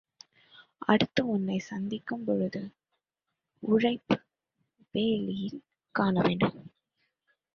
அடுத்து உன்னைச் சந்திக்கும் பொழுது உழைப்பு வேள்வியில் காண வேண்டும்.